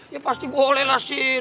ya pasti boleh lah sin